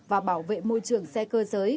và bảo vệ môi trường xe cơ giới